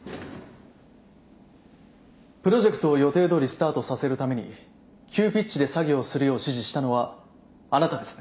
プロジェクトを予定どおりスタートさせるために急ピッチで作業をするよう指示したのはあなたですね。